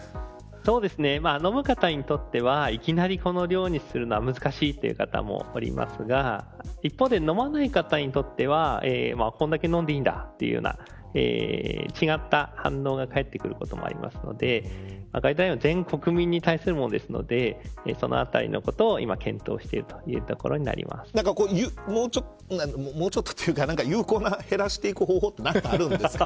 飲む方にとってはいきなり、この量にするのは難しいという方もおりますが一方で飲まない方にとってはこれだけ飲んでいいんだというような違った反応が返ってくることもありますのでガイドラインは全国民に対するものなのでそのあたりのことを今検討しているということにもうちょっとっていうか有効な減らしていく方法ってあるんですか。